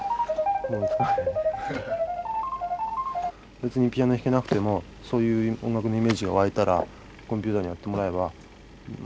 別にピアノ弾けなくてもそういう音楽のイメージが湧いたらコンピューターにやってもらえば。